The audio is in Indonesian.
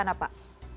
kondisi apa pak